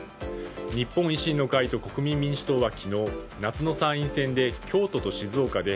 日本維新の会と国民民主党は昨日夏の参院選で京都と静岡で